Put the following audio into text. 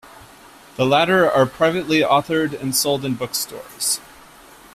The latter are privately authored and sold in bookstores.